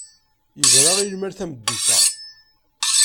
Yebra i lmal tameddit-a.